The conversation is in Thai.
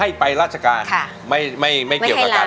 ไม่ไปราชการไม่เกี่ยวกับการ